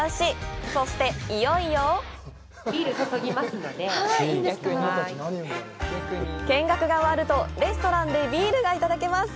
そして、いよいよ見学が終わるとレストランでビールがいただけます。